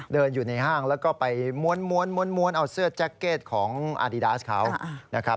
เดินอยู่ในห้างแล้วก็ไปม้วนเอาเสื้อแจ็คเก็ตของอาดีดาสเขานะครับ